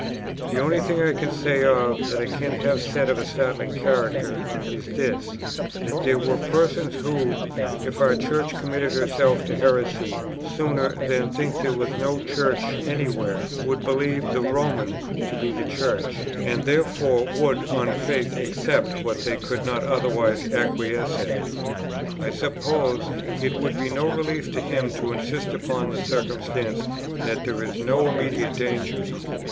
"The only thing I can think of," [that I can have said of a startling character,] "is this, that there were persons who, if our Church committed herself to heresy, sooner than think that there was no Church any where, would believe the Roman to be the Church; and therefore would on faith accept what they could not otherwise acquiesce in. I suppose, it would be no relief to him to insist upon the circumstance that there is no immediate danger.